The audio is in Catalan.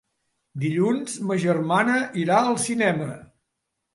Dilluns ma germana irà al cinema.